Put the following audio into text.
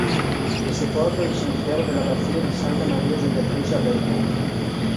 È sepolto nel cimitero dell'abbazia di Santa Maria Ausiliatrice a Belmont.